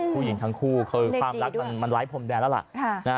ผู้หญิงทั้งคู่คือความรักมันไร้พรมแดนแล้วล่ะ